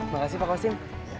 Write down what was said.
makasih pak kwasim